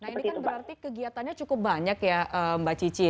nah ini kan berarti kegiatannya cukup banyak ya mbak cici